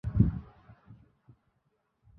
আমি তখনও ভাবতে পারিনি যে এই বাচ্চাটা বেঁচে উঠবে।